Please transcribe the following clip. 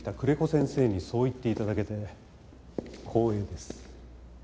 先生にそう言って頂けて光栄です。